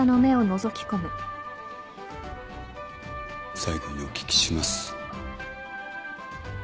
最後にお聞きします。